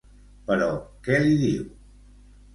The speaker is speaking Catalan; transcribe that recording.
Però què li diu?